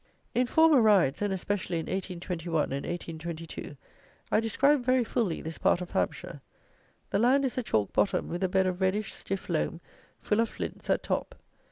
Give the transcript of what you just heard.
In former RIDES, and especially in 1821 and 1822, I described very fully this part of Hampshire. The land is a chalk bottom, with a bed of reddish, stiff loam, full of flints, at top.